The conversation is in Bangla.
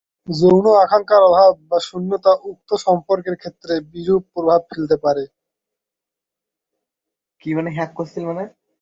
যৌন আকাঙ্ক্ষার অভাব বা শূন্যতা উক্ত সম্পর্কের ক্ষেত্রে বিরূপ প্রভাব ফেলতে পারে।